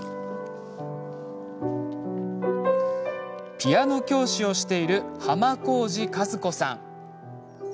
ピアノ教師をしている濱小路加珠子さん。